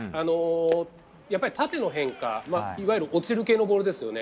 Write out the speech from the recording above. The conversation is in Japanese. やっぱり縦の変化いわゆる落ちる系のボールですよね。